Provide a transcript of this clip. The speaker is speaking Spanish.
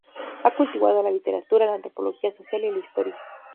Ha cultivado la literatura, la antropología social y la historia.